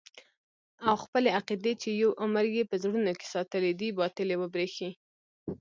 او خپلې عقيدې چې يو عمر يې په زړونو کښې ساتلې دي باطلې وبريښي.